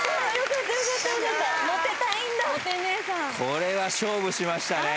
これは勝負しましたね。